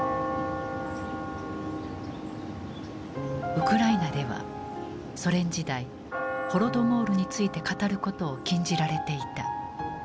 ウクライナではソ連時代ホロドモールについて語ることを禁じられていた。